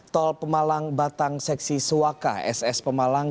tol pemalang batang seksi sewaka ss pemalang